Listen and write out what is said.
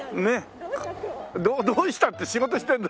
「どうした？」って仕事してるの。